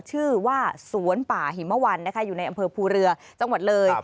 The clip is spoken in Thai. ชื่อว่าสวนป่าหิมวันนะคะอยู่ในอำเภอภูเรือจังหวัดเลย